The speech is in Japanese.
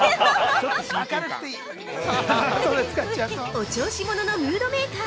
お調子者のムードメーカー